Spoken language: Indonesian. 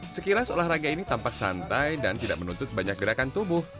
sekilas olahraga ini tampak santai dan tidak menuntut banyak gerakan tubuh